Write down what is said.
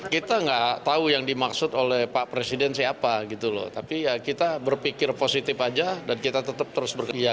kita nggak tahu yang dimaksud oleh pak presiden siapa gitu loh tapi ya kita berpikir positif aja dan kita tetap terus berpikir